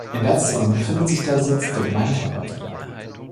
In letzterem befindet sich der Sitz der Gemeindeverwaltung.